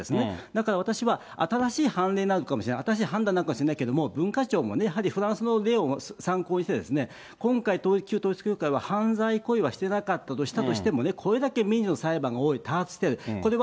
だから、私は新しい判例になるかもしれない、新しい判断になるかもしれないけれども、文化庁なんかも、やはりフランスの例を参考にして、今回、旧統一教会は犯罪行為はしていなかったとしても、これだけ民事の裁判が多い、多発している。